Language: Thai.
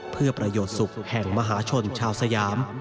เพื่อประโยชน์สุขแห่งมหาชนชาวสยาม